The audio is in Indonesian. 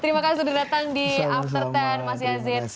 terima kasih sudah datang di after sepuluh mas yazid